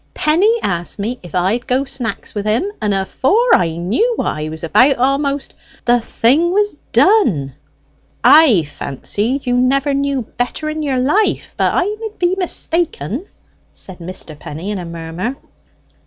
Penny asked me if I'd go snacks with him, and afore I knew what I was about a'most, the thing was done." "I've fancied you never knew better in your life; but I mid be mistaken," said Mr. Penny in a murmur.